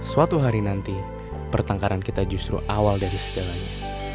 suatu hari nanti pertengkaran kita justru awal dari segalanya